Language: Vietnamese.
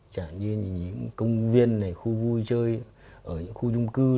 chẳng như công viên khu vui chơi khu trung cư